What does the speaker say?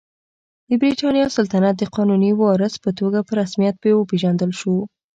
د برېټانیا سلطنت د قانوني وارث په توګه په رسمیت وپېژندل شو.